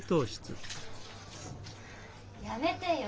やめてよ。